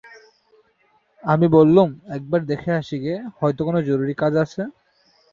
আমি বললুম, একবার দেখে আসি গে, হয়তো কোনো জরুরি কাজ আছে।